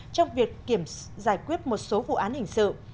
trong việc giải quyết một số vụ án hình sự